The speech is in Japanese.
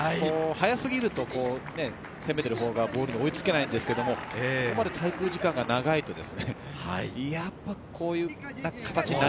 速過ぎると攻めているほうがボールに追いつけないんですが、滞空時間が長いと